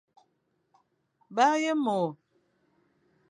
Bara ye môr.